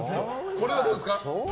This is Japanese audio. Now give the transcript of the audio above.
これはどうですか？